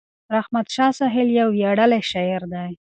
رحمت شاه سایل یو ویاړلی شاعر دی.